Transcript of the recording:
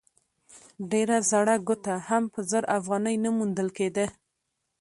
ډېره زړه کوټه هم په زر افغانۍ نه موندل کېده.